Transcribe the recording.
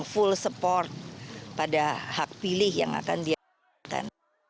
full support pada hak pilih yang akan diadakan